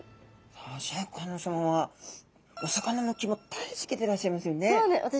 さあシャーク香音さまはお魚の肝大好きでいらっしゃいますよね。